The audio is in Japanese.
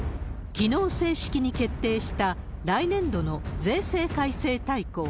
きのう正式に決定した、来年度の税制改正大綱。